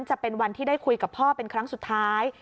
จะเป็นวันที่ได้คุยกับพ่อเป็นครั้งสุดท้าย